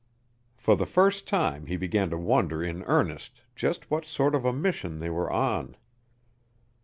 For the first time he began to wonder in earnest just what sort of a mission they were on.